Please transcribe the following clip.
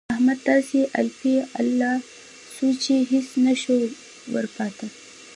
احمد داسې الپی الا سو چې هيڅ نه شول ورپاته.